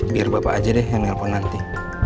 biar bapak aja deh yang nelpon nanti